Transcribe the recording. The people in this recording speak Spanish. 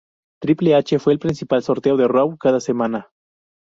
Triple H fue el principal sorteo de Raw cada semana.